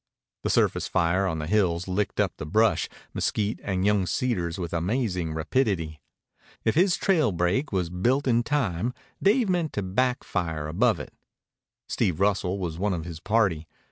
The surface fire on the hills licked up the brush, mesquite, and young cedars with amazing rapidity. If his trail break was built in time, Dave meant to back fire above it. Steve Russell was one of his party.